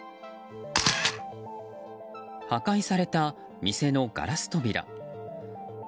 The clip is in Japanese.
破壊された店のガラス扉。